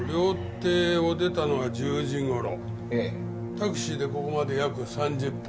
タクシーでここまで約３０分。